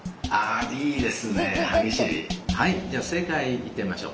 はいじゃあ正解いってみましょう。